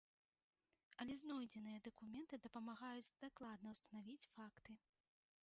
Але знойдзеныя дакументы дапамагаюць дакладна ўстанавіць факты.